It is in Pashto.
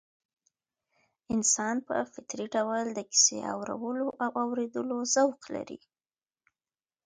انسان په فطري ډول د کيسې اورولو او اورېدلو ذوق لري